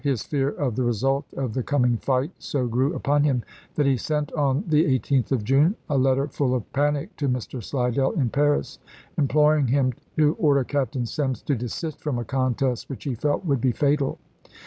His fear of the result of the coming fight so grew upon him that he sent on the 18th of June a letter full of panic to Mr. Slidell in Paris, imploring him to order Captain Semmes to desist from a contest which he felt would be fatal.